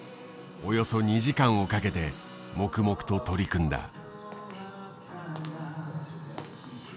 およそ２時間をかけて黙々と取り組んだ。